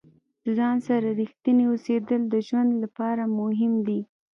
د ځان سره ریښتیني اوسیدل د ژوند لپاره مهم دي.